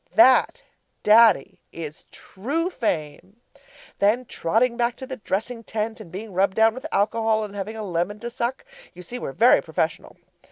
That, Daddy, is true fame. Then trotting back to the dressing tent and being rubbed down with alcohol and having a lemon to suck. You see we're very professional.